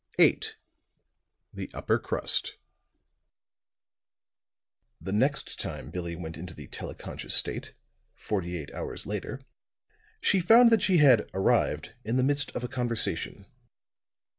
VIII THE UPPER CRUST The next time Billie went into the tele conscious state, forty eight hours later, she found that she had "arrived" in the midst of a conversation.